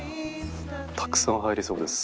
たくさん入りそうです